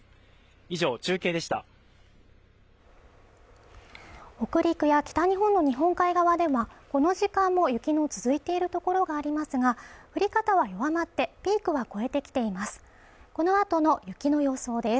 以上中継でした北陸や北日本の日本海側ではこの時間も雪の続いているところがありますが降り方は弱まってピークは越えてきています